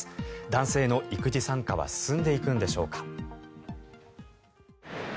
男性の育児参加は進んでいくんでしょうか。